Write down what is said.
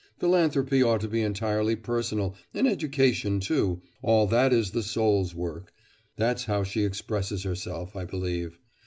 Philanthropy ought to be entirely personal, and education too, all that is the soul's work... that's how she expresses herself, I believe.